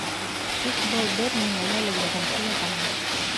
Тик был бер нимәгә лә йоғонто яһамай.